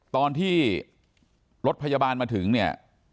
ตอนที่รถพยาบาลมาถึงเนี่ย